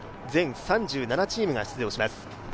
全３７チームが出場します。